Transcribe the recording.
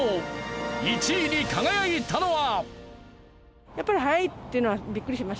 １位に輝いたのは。